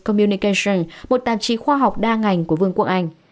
communication một tạp chí khoa học đa ngành của vương quốc anh